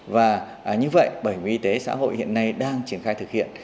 và như vậy bảo hiểm y tế xã hội hiện nay đang triển khai thực hiện